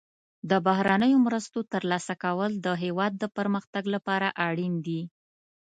د بهرنیو مرستو ترلاسه کول د هیواد د پرمختګ لپاره اړین دي.